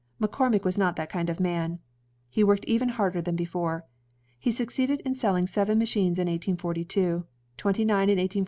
McCormick was not that kind of man; he worked even harder than before. He succeeded in selling seven machines in 1842, twenty nine in 1843, ^.